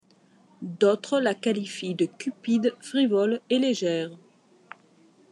D'autres la qualifient de cupide, frivole et légère.